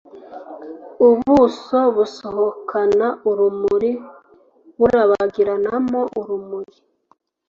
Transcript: ubuso busohokana urumuri burabagiranamo urumuri